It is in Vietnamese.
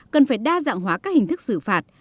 cần phải đa dạng hóa các hình thức xử phạt